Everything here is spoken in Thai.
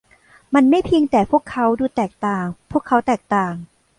มันไม่เพียงแต่พวกเขาดูแตกต่าง พวกเขาแตกต่าง